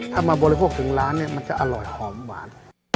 ถ้ามาบริโภคถึงร้านเนี่ยมันจะอร่อยหอมหวาน